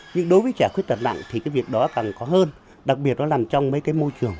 nhưng đối với trẻ khuyết tật nặng thì cái việc đó càng có hơn đặc biệt nó làm trong mấy cái môi trường